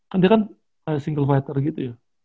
kan dia kan kayak single fighter gitu ya